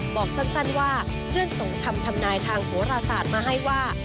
บอกสั้นว่าเพื่อนส่งคำทำนายทางโหรศาสตร์มาให้ว่า